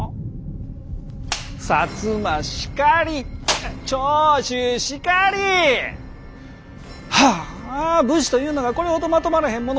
摩しかり長州しかりはぁ武士というのがこれほどまとまらへんものとはあきれたことや。